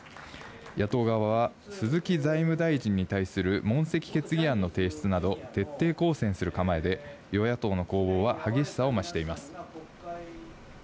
野党側は鈴木財務大臣に対する問責決議案の提出など、徹底抗戦する構えで、与野党の攻防は激しさを増しています。